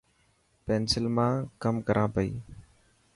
پينسل مان ڪم ڪران پئي.